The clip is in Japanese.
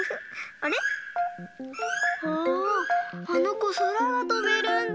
ああのこそらがとべるんだ。